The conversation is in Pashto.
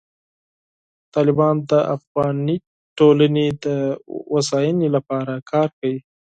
طالبان د افغاني ټولنې د هوساینې لپاره کار کوي.